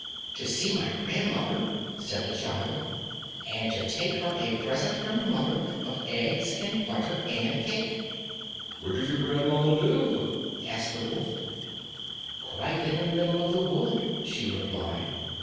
"To see my grandmother," said the child, "and take her a present from mother of eggs and butter and cake." "Where does your grandmamma live?" asked the wolf. "Quite in the middle of the wood," she replied.